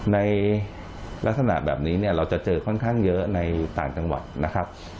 ในลักษณะแบบนี้เนี่ยเราจะเจอค่อนข้างเยอะในต่างจังหวัดนะครับ